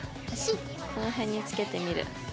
この辺に付けてみる。